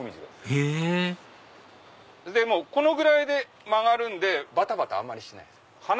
へぇこのぐらいで回るんでバタバタあんまりしない。